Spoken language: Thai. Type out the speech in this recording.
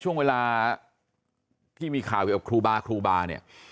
ช่วงเวลาที่มีข่าวเกี่ยวกับครูบาครูบาเนี่ย